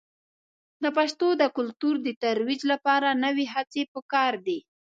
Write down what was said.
د پښتو د کلتور د ترویج لپاره نوې هڅې په کار دي.